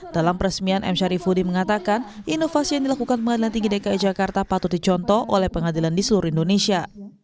dalam peresmian m syarifudi mengatakan inovasi yang dilakukan pengadilan tinggi dki jakarta patut dicontoh oleh pengadilan di seluruh indonesia